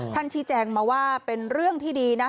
ชี้แจงมาว่าเป็นเรื่องที่ดีนะ